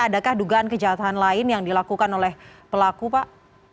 adakah dugaan kejahatan lain yang dilakukan oleh pelaku pak